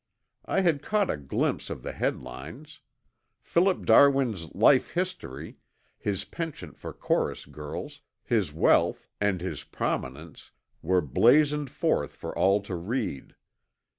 I had caught a glimpse of the headlines. Philip Darwin's life history, his penchant for chorus girls, his wealth, and his prominence, were blazoned forth for all to read.